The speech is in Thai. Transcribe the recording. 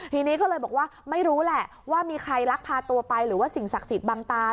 ทีนี้ก็เลยบอกว่าไม่รู้แหละว่ามีใครลักพาตัวไปหรือว่าสิ่งศักดิ์สิทธิ์บังตา